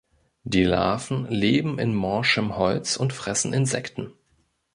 Die Larven leben in morschem Holz und fressen Insekten.